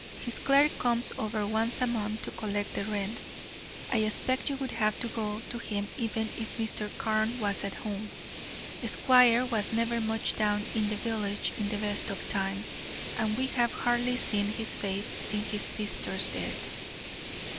His clerk comes over once a month to collect the rents. I expect you would have to go to him even if Mr. Carne was at home. Squire was never much down in the village in the best of times, and we have hardly seen his face since his sister's death."